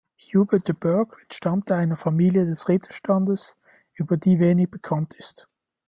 Hubert de Burgh entstammte einer Familie des Ritterstandes, über die wenig bekannt ist.